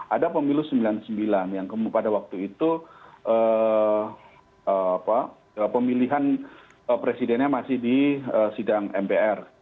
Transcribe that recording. ada pemilu sembilan puluh sembilan yang pada waktu itu pemilihan presidennya masih di sidang mpr